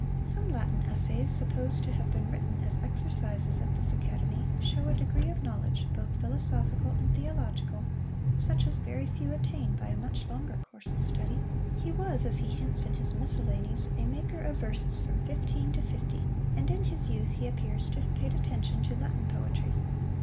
Some Latin essays, supposed to have been written as exercises at this academy, shew a degree of knowledge, both philosophical and theological, such as very few attain by a much longer course of study. He was, as he hints in his Miscellanies, a maker of verses from fifteen to fifty, and in his youth he appears to have paid attention to Latin poetry.